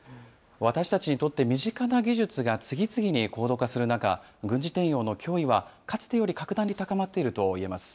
私たちにとって身近な技術が次々に高度化する中、軍事転用の脅威はかつてより格段に高まっているといえます。